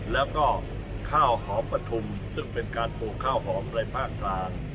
แล้วก็ข้าวหอมปฐุมซึ่งเป็นการปลูกข้าวหอมในภาคกลาง